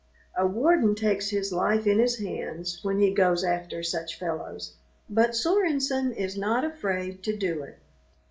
A warden takes his life in his hands when he goes after such fellows, but Sorenson is not afraid to do it.